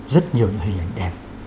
rất nhiều hình ảnh đẹp